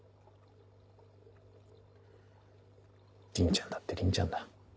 鈴ちゃんだって鈴ちゃんだ。